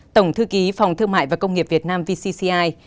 tổng thư ký phòng thương mại và công nghiệp việt nam vcci